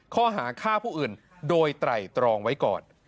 ข้อหาฆ่าผู้อื่นโดยไตรตรองไว้ก่อน